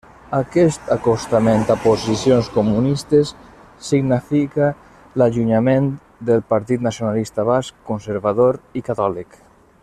Aquest acostament a posicions comunistes significa l'allunyament del Partit Nacionalista Basc, conservador i catòlic.